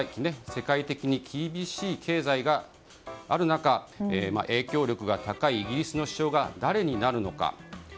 世界的に厳しい経済がある中影響力が高いイギリスの首相が誰になるのか。